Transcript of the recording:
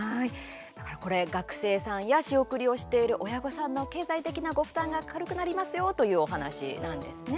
これ、学生さんや仕送りをしている親御さんの経済的なご負担が軽くなりますよというお話なんですね。